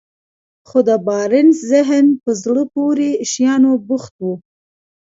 خو د بارنس ذهن په زړه پورې شيانو بوخت و.